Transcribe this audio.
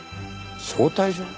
招待状？